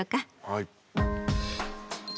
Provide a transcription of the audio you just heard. はい。